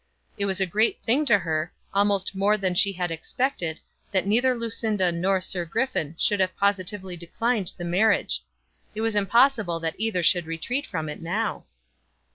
It was a great thing to her, almost more than she had expected, that neither Lucinda nor Sir Griffin should have positively declined the marriage. It was impossible that either should retreat from it now.